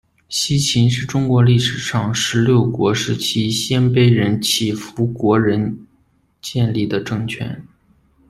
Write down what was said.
西秦是中国历史上十六国时期鲜卑人乞伏国仁建立的政权。